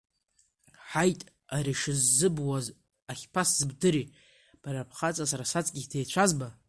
Ҳаит, ари шысзыбуаз ахьԥасзымдыри, бара бхаҵа сара саҵкыс деицәазма?